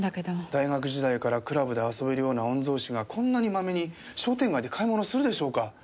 大学時代からクラブで遊べるような御曹司がこんなにマメに商店街で買い物するでしょうか？